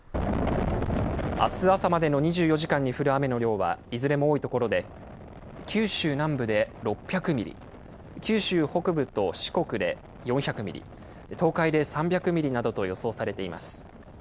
あす朝までの２４時間に降る雨の量は、いずれも多い所で、九州南部で６００ミリ、九州北部と四国で４００ミリ、東海で３００ミリなどと予想されています。